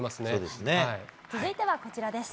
続いてはこちらです。